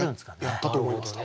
やったと思います